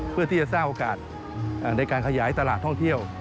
เพื่อที่จะสร้างโอกาสในการขยายตลาดท่องเที่ยว